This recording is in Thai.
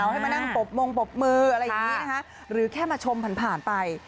ให้มานั่งตบมงปบมืออะไรอย่างนี้นะคะหรือแค่มาชมผ่านผ่านไป